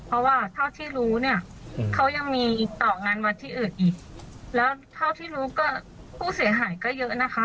เพราะว่าเท่าที่รู้เนี่ยเขายังมีต่องานวัดที่อื่นอีกแล้วเท่าที่รู้ก็ผู้เสียหายก็เยอะนะคะ